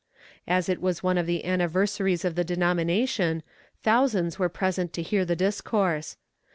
As it was one of the anniversaries of the denomination, thousands were present to hear the discourse.